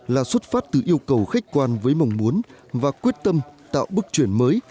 là xuất phát từ yêu cầu khách quan với mong muốn và quyết tâm tạo bước chuyển mới